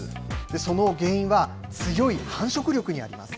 その原因は、強い繁殖力にあります。